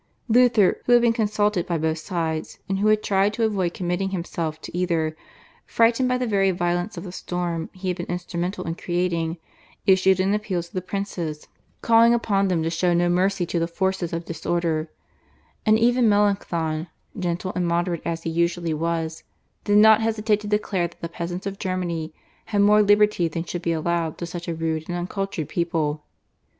Luther, who had been consulted by both sides, and who had tried to avoid committing himself to either, frightened by the very violence of the storm he had been instrumental in creating, issued an appeal to the princes calling upon them to show no mercy to the forces of disorder, and even Melanchthon, gentle and moderate as he usually was, did not hesitate to declare that the peasants of Germany had more liberty than should be allowed to such a rude and uncultured people.